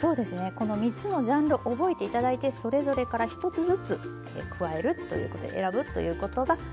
この３つのジャンル覚えて頂いてそれぞれから１つずつ加えるということ選ぶということがポイントになります。